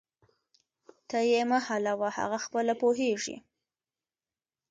ته یې مه حلوه، هغه خپله پوهیږي